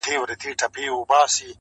خزان یې مه کړې الهي تازه ګلونه-